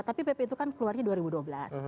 tapi pp itu kan keluarnya dua ribu dua belas